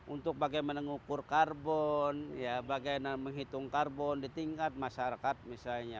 untuk bagaimana mengukur karbon bagaimana menghitung karbon di tingkat masyarakat misalnya